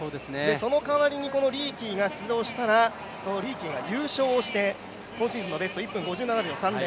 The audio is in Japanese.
その代わりにリーキーが出場したら、そのリーキーが優勝して今シーズンのベスト、１分５７秒３０